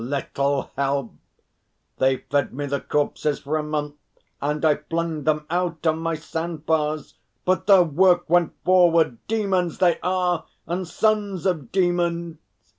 "Little help! They fed me the corpses for a month, and I flung them out on my sand bars, but their work went forward. Demons they are, and sons of demons!